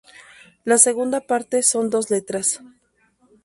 La segunda parte son dos letras.